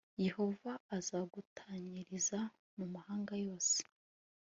yehova azagutatanyiriza mu mahanga yose